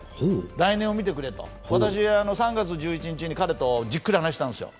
来年を見てくれと、３月１１日に彼とじっくり話したんですよ。